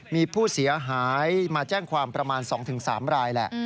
มีผู้เสียหายมาแจ้งความประมาณ๒๓รายแหละ